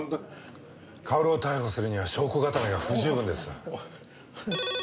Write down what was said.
かおるを逮捕するには証拠固めが不十分です。